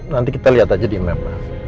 nanti kita lihat aja di map